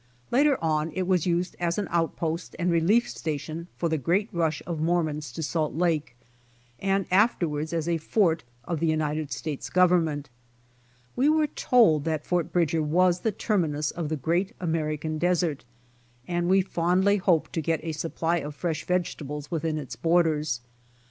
Later on it was used as an outpost and relief station for the great rush of Mormons to Salt Lake, and afterwards as a fort of the United States Government. We were told that Fort Bridger was the terminus of the Great American desert, and we fondly hoped to get a supply of fresh vegetables within its borders.